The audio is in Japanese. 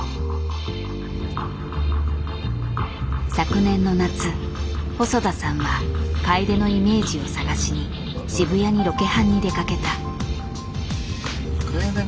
昨年の夏細田さんは楓のイメージを探しに渋谷にロケハンに出かけた。